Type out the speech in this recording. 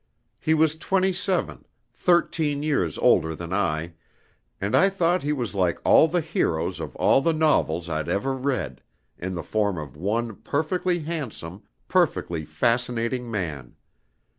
He was twenty seven thirteen years older than I and I thought he was like all the heroes of all the novels I'd ever read, in the form of one perfectly handsome, perfectly fascinating man.